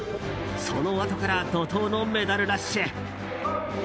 そのあとから怒涛のメダルラッシュ。